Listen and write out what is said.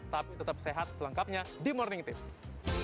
tapi tetap sehat selengkapnya di morning tips